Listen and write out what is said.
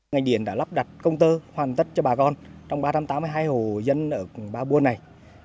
ngành điện đã lắp đặt công tơ hoàn tất cho bà con trong ba trăm tám mươi hai hồ dân ở ba buôn này